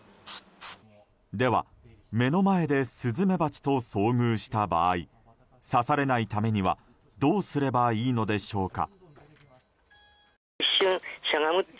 では目の前でスズメバチと遭遇した場合刺されないためにはどうすればいいのでしょうか。